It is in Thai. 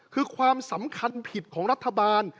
คือความสำคัญผิดของรัฐบาล